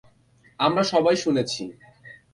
আমরা সবাই শুনেছি।